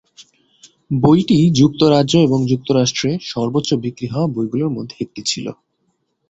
বইটি যুক্তরাজ্য এবং যুক্তরাষ্ট্রে সর্বোচ্চ বিক্রি হওয়া বইগুলোর একটি ছিল।